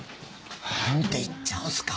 何で言っちゃうんすか。